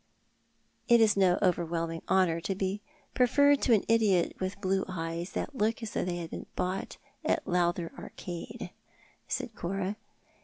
" It is no overwhelming honour to be preferred to an idiot with blue eyes tliat look as if they had been bought in the Lowther Arcade," said Cora.